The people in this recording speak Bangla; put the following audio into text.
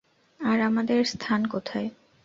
আর আমাদের স্থান কোথায়!